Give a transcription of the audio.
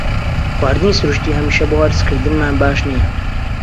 خواردنی سروشتی هەمیشە بۆ هەرسکردنمان باش نییە.